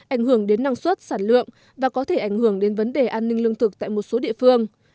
ảnh hưởng đến năng suất sản lượng và có thể ảnh hưởng đến vấn đề an ninh lương thực tại một số địa phương